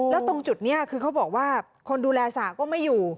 แล้วตรงจุดนี้คือเขาบอกว่าคนดูแลสระก็ไม่อยู่